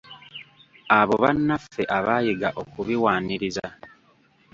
Abo bannaffe abaayiga okubiwaaniriza.